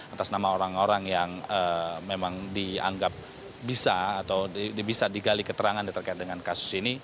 atas nama orang orang yang memang dianggap bisa atau bisa digali keterangan terkait dengan kasus ini